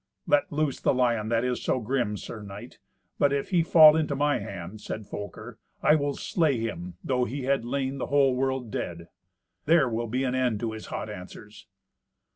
"Let loose the lion that is so grim, sir knight. But if he fall into my hand," said Folker, "I will slay him, though he had laid the whole world dead. There will be an end of his hot answers."